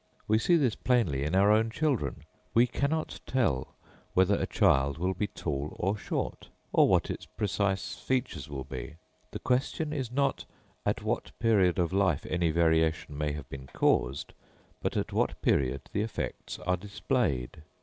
We see this plainly in our own children; we cannot tell whether a child will be tall or short, or what its precise features will be. The question is not, at what period of life any variation may have been caused, but at what period the effects are displayed.